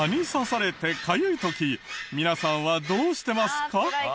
皆さんはどうしてますか？